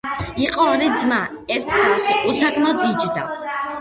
იყო ორი ძმა. ერთი სახლში უსაქმოდ იჯდა.